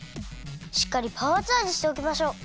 しっかりパワーチャージしておきましょう！